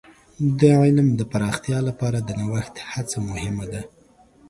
د علم د پراختیا لپاره د نوښت هڅه مهمه ده.